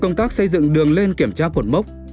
công tác xây dựng đường lên kiểm tra cột mốc